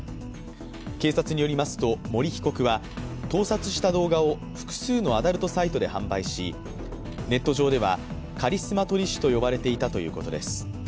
警察によりますと、森被告は盗撮した動画を複数のアダルトサイトで販売し、ネット上ではカリスマ撮り師と呼ばれていたということです。